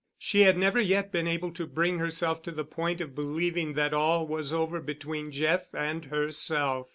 She had never yet been able to bring herself to the point of believing that all was over between Jeff and herself.